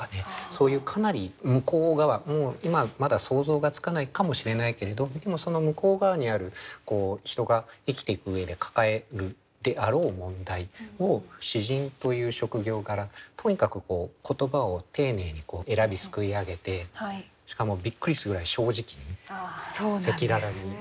そういうかなり向こう側今はまだ想像がつかないかもしれないけれどその向こう側にある人が生きていく上で抱えるであろう問題を詩人という職業柄とにかく言葉を丁寧に選びすくい上げてしかもびっくりするぐらい正直に赤裸々に。